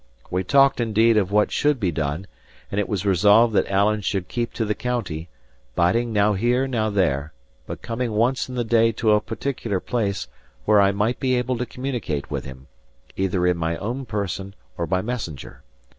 We talked indeed of what should be done; and it was resolved that Alan should keep to the county, biding now here, now there, but coming once in the day to a particular place where I might be able to communicate with him, either in my own person or by messenger.